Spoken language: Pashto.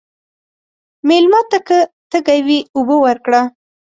مېلمه ته که تږی وي، اوبه ورکړه.